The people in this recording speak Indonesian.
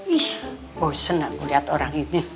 ih bosen aku lihat orang ini